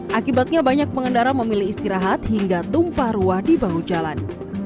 hai akibatnya banyak pengendara memilih istirahat hingga tumpah ruah di bahu jalan